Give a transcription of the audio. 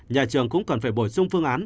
nhà trường cũng cần phải bổ sung phương án